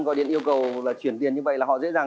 gọi điện yêu cầu là chuyển tiền như vậy là họ dễ dàng